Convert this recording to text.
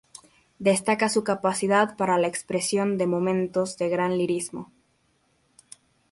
Destaca su capacidad para la expresión de momentos de gran lirismo.